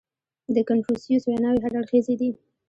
• د کنفوسیوس ویناوې هر اړخیزې دي.